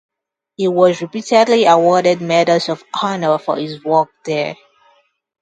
He was repeatedly awarded medals of honor for his work there.